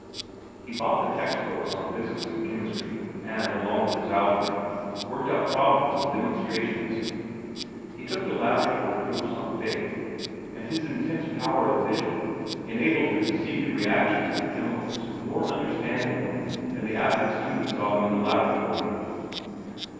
He bought the text books on physics and chemistry, and, along with his algebra, worked out problems and demonstrations. He took the laboratory proofs on faith, and his intense power of vision enabled him to see the reactions of chemicals more understandingly than the average student saw them in the laboratory.